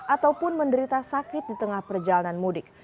ataupun menderita sakit di tengah perjalanan mudik